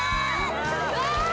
うわ！